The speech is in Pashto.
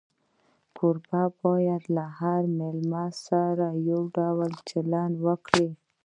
کوربه باید له هر مېلمه سره یو ډول چلند وکړي.